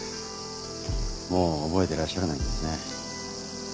もう覚えてらっしゃらないんですね。